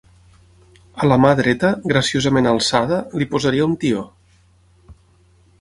...a la mà dreta, graciosament alçada, li posaria un tió